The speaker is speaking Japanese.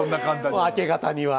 もう明け方には。